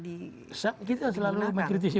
digunakan kita selalu mengkritisi